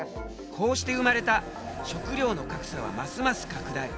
こうして生まれた「食料の格差」はますます拡大。